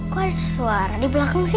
kok ada suara di belakang sih